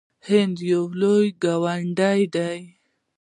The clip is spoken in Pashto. هند یو لوی ګاونډی دی.